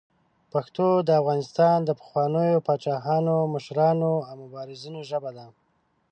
پښتو د افغانستان د پخوانیو پاچاهانو، مشرانو او مبارزینو ژبه ده.